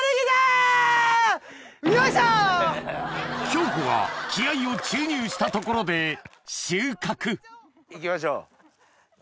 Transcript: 京子が気合を注入したところで収穫行きましょう。